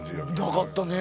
なかったね。